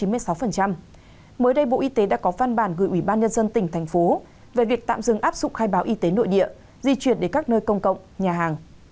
mới đây bộ y tế đã có văn bản gửi ubnd tỉnh thành phố về việc tạm dừng áp dụng khai báo y tế nội địa di chuyển đến các nơi công cộng nhà hàng